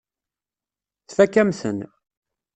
Tfakk-am-ten.